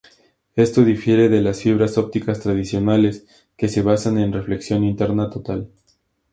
Esto difiere de las fibras ópticas tradicionales, que se basan en reflexión interna total.